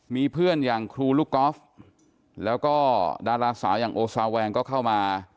มีเพื่อนอย่างครูลูกกอล์ฟแล้วก็ดาราสาวอย่างโอซาแวงก็เข้ามา